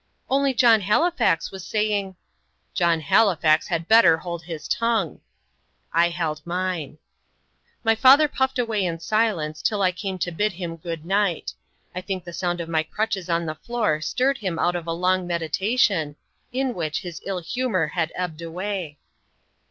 "Only John Halifax was saying " "John Halifax had better hold his tongue." I held mine. My father puffed away in silence till I came to bid him good night. I think the sound of my crutches on the floor stirred him out of a long meditation, in which his ill humour had ebbed away.